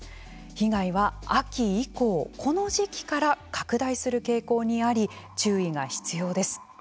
被害は秋以降この時期から拡大する傾向にあり注意が必要です。